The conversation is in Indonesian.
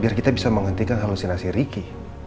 biar kita bisa menghentikan halusinasi ricky